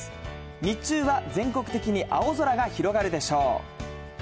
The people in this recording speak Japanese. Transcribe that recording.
日中は全国的に青空が広がるでしょう。